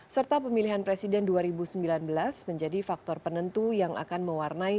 serta pemilihan presiden dua ribu sembilan belas menjadi faktor penentu yang akan mewarnai